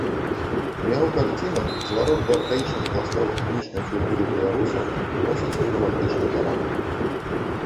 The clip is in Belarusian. У яго карцінах зварот да архаічных пластоў этнічнай культуры беларусаў носіць рамантычны характар.